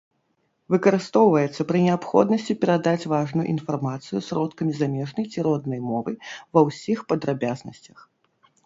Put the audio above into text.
Выкарыстоўваецца пры неабходнасці перадаць важную інфармацыю сродкамі замежнай ці роднай мовы ва ўсіх падрабязнасцях.